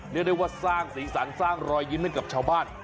เรียกได้ว่าสร้างสีสันสร้างรอยยิ้มให้กับชาวบ้าน